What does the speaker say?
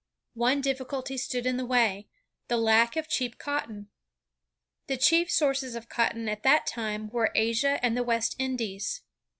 One difficulty stood in the way, the lack of cheap cotton. The chief sources of cotton at that time were Asia and the West Indies.